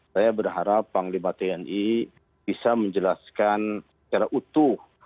saya berharap panglima tni bisa menjelaskan secara utuh